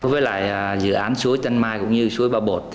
với lại dự án suối tân mai cũng như suối ba bột